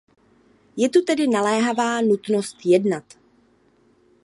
Je tu tedy naléhavá nutnost jednat.